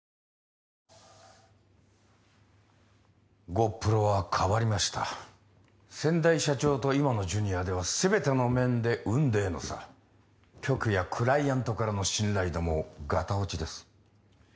ゴップロは変わりました先代社長と今のジュニアでは全ての面で雲泥の差局やクライアントからの信頼度もガタ落ちです